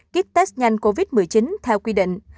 kích test nhanh covid một mươi chín theo quy định